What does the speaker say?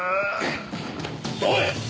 おい！